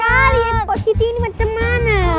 lama kali positi ini berteman